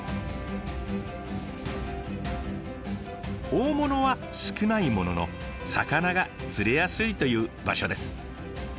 大物は少ないものの魚が釣れやすいという場所です。